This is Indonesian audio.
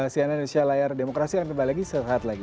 sian indonesia layar demokrasi akan kembali lagi setelah saat lagi